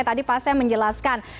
tadi pak sam menjelaskan